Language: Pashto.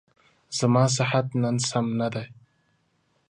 زما صحت نن سم نه دی.